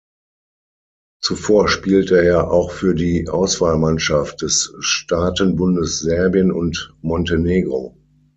Zuvor spielte er auch für die Auswahlmannschaft des Staatenbundes Serbien und Montenegro.